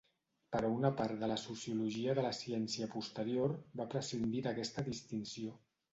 Però una part de la sociologia de la ciència posterior va prescindir d'aquesta distinció.